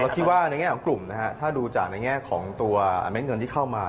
คิดว่าในแง่ของกลุ่มนะฮะถ้าดูจากในแง่ของตัวเม็ดเงินที่เข้ามา